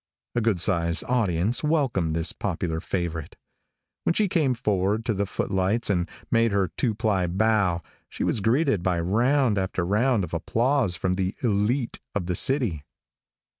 A good sized audience welcomed this popular favorite. When she came forward to the footlights and made her two ply bow she was greeted by round after round of applause from the elite of the city.